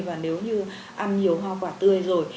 và nếu như ăn nhiều hoa quả tươi rồi